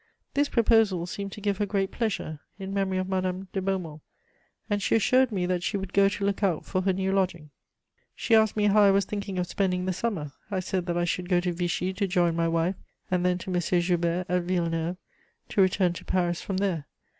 This proposal seemed to give her great pleasure, in memory of Madame de Beaumont, and she assured me that she would go to look out for her new lodging. She asked me how I was thinking of spending the summer. I said that I should go to Vichy to join my wife, and then to M. Joubert at Villeneuve, to return to Paris from there.